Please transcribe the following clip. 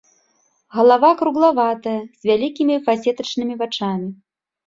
Галава круглаватая з вялікімі фасетачнымі вачамі.